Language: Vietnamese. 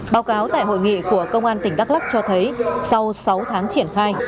báo cáo tại hội nghị của công an tỉnh đắk lắc cho thấy sau sáu tháng triển khai